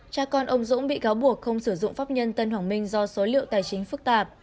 cha con ông dũng bị cáo buộc không sử dụng pháp nhân tân hoàng minh do số liệu tài chính phức tạp